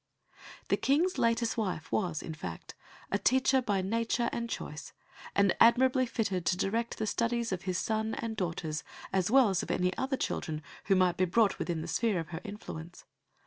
The King's latest wife was, in fact, a teacher by nature and choice, and admirably fitted to direct the studies of his son and daughters, as well as of any other children who might be brought within the sphere of her influence.